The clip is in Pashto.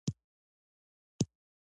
هغه څه چې ممکن دي پر هغه حساب کېږي.